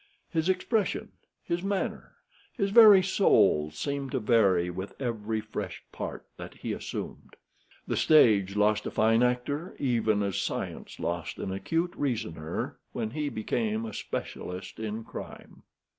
His expression, his manner, his very soul seemed to vary with every fresh part that he assumed. The stage lost a fine actor, even as science lost an acute reasoner, when he became a specialist in crime.